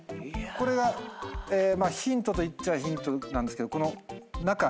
これがまあヒントといっちゃあヒントなんですけどこの中。